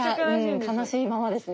悲しいままですね。